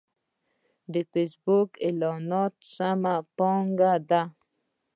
د فېسبوک اعلانات سمه پانګونه ده.